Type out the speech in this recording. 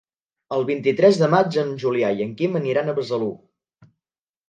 El vint-i-tres de maig en Julià i en Quim aniran a Besalú.